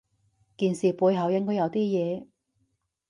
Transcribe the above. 件事背後應該有啲嘢